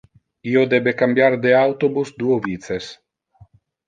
Io debe cambiar de autobus duo vices.